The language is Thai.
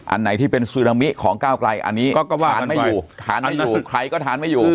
อันไหนที่เป็นซึนามิของก้าวไกลอันนี้ก็ทานไม่อยู่ทานไม่อยู่ใครก็ทานไม่อยู่